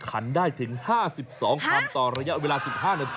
ไก่นี้ต้องกินน้ำขึ้นมะนาวมั้ยน่ะคุณ